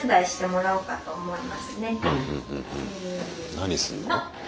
何すんの？